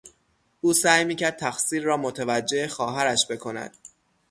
او سعی میکرد تقصیر را متوجه خواهرش بکند.